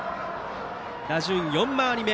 打順、４回り目。